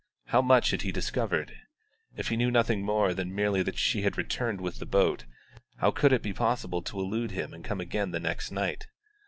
How much had he discovered? If he knew nothing more than merely that she had returned with the boat, how could it be possible to elude him and come again the next night?